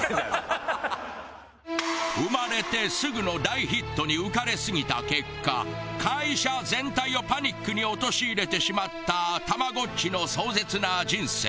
生まれてすぐの大ヒットに浮かれすぎた結果会社全体をパニックに陥れてしまったたまごっちの壮絶な人生。